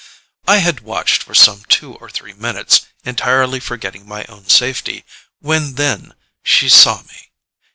I had watched for some two or three minutes, entirely forgetting my own safety, when then she saw me.